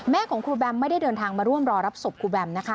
ของครูแบมไม่ได้เดินทางมาร่วมรอรับศพครูแบมนะคะ